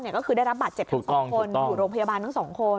น้องกล๑๕๐๐ก็คือได้รับบาตเจ็ดแทบ๖คนอยู่โรงพยาบาลทั้งสองคน